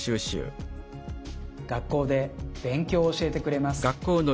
学校で勉強を教えてくれます。